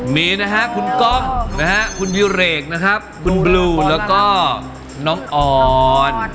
มีนะฮะคุณกล้องคุณวิวเรกคุณบลูแล้วก็น้องอ่อน